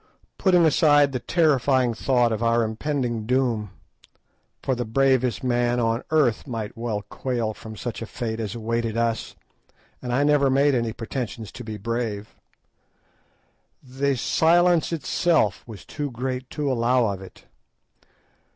Putting aside the terrifying thought of our impending doom—for the bravest man on earth might well quail from such a fate as awaited us, and I never made any pretensions to be brave—the silence itself was too great to allow of it.